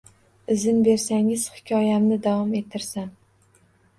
Izn bersangiz, hikoyamni davom ettirsam